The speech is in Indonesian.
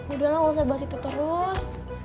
udah lah lo gak usah bahas itu terus